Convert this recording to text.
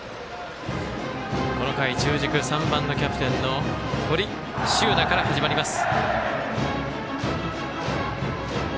この回、中軸、３番のキャプテン堀柊那から始まります。